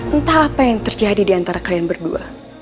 saya tidak tahu apa yang terjadi diantara kalian berdua